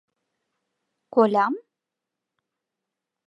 — Колям?!